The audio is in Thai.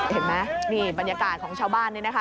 เห็นไหมนี่บรรยากาศของชาวบ้านนี่นะคะ